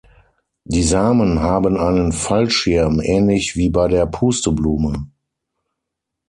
Die Samen haben einen „Fallschirm“ ähnlich wie bei der Pusteblume.